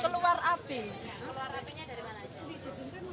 keluar apinya dari mana aja